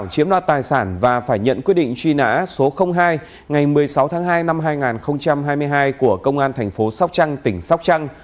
công an huyện quyết định truy nã số hai ngày một mươi sáu tháng hai năm hai nghìn hai mươi hai của công an thành phố sóc trăng tỉnh sóc trăng